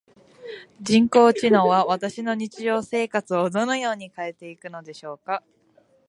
人工知能は私の日常生活をどのように変えていくのでしょうか？